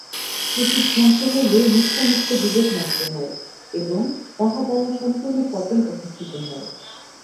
স্মৃতিধ্বংস হইলে নিত্যানিত্য-বিবেক নষ্ট হয় এবং তাহা দ্বারা সম্পূর্ণ পতন উপস্থিত হয়।